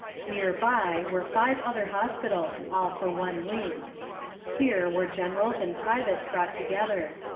Near by were five other hospitals, all for one wing. Here were generals and privates brought together.